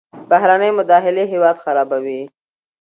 بهرنۍ مداخلې هیواد خرابوي.